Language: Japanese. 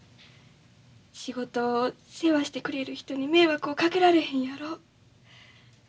仕事を世話してくれる人に迷惑をかけられへんやろ。